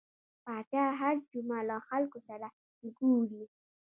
پاچا هر جمعه له خلکو سره ګوري .